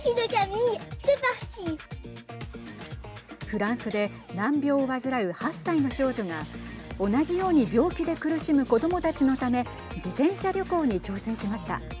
フランスで難病を患う８歳の少女が同じように病気で苦しむ子どもたちのため自転車旅行に挑戦しました。